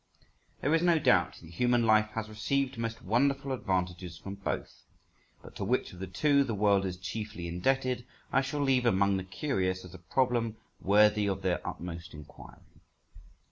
There is no doubt that human life has received most wonderful advantages from both; but to which of the two the world is chiefly indebted, I shall leave among the curious as a problem worthy of their utmost inquiry.